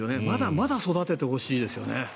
まだまだ育ててほしいですよね。